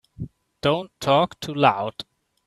Don't talk too loud.